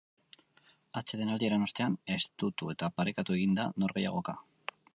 Atsedenaldiaren ostean, estutu eta parekatu egin da norgehiagoka.